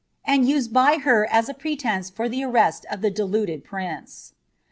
oud used by her as a pretence for the arrest of the dciiuM prince.'